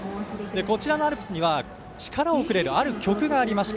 こちらのアルプスには力をくれる、ある曲がありました。